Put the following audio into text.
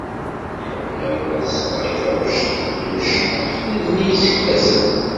Ḥemmleɣ ad sleɣ i taɣect n tmecṭuḥt-nni i yesseklasen.